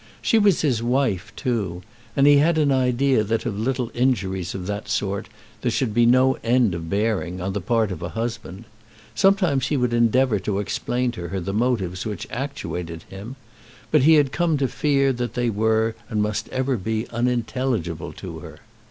She was his wife too, and he had an idea that of little injuries of that sort there should be no end of bearing on the part of a husband. Sometimes he would endeavour to explain to her the motives which actuated him; but he had come to fear that they were and must ever be unintelligible to her.